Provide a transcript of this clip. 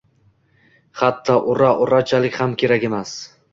Hatto «ura-urachilik» ham kerak emas